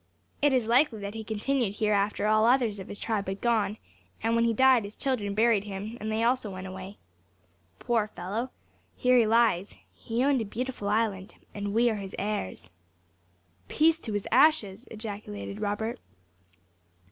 It is likely that he continued here after all others of his tribe had gone; and when he died, his children buried him, and they also went away. Poor fellow! here he lies. He owned a beautiful island, and we are his heirs." "Peace to his ashes!" ejaculated Robert.